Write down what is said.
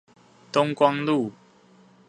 東光路